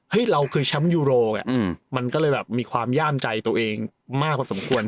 เฮ้ยเราคือช้ำยูโรมันก็เลยแบบมีความย่ามใจตัวเองมากกว่าสมควร